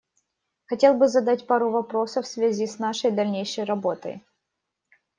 Хотел бы задать пару вопросов в связи с нашей дальнейшей работой.